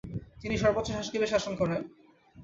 তিনি সর্বোচ্চ শাসক হিসেবে শাসন করেন।